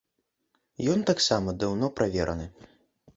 Ён таксама даўно правераны.